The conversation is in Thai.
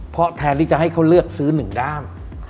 เพราะแทนที่จะให้เขาเลือกซื้อ๑ด้าม